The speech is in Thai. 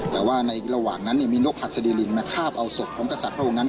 แต่ว่าในระหว่างนั้นมีนกหัสดีลิงมาคาบเอาศพของกษัตริย์พระองค์นั้น